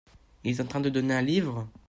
Il est en train de donner un livre ?